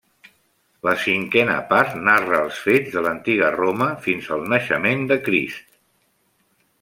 La cinquena part narra els fets de l'Antiga Roma fins al naixement de Crist.